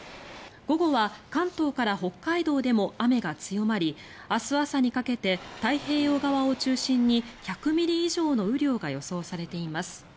午後は関東から北海道でも雨が強まり明日朝にかけて太平洋側を中心に１００ミリ以上の雨量が予想されています。